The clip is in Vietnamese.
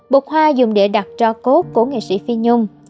bột hoa dùng để đặt cho cốt của nghệ sĩ phi nhung